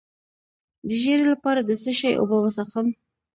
د ژیړي لپاره د څه شي اوبه وڅښم؟